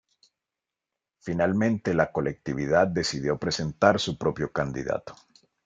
Finalmente la colectividad decidió presentar su propio candidato.